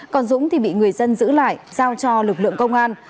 còn dũng thì bị người dân giữ lại giao cho lực lượng công an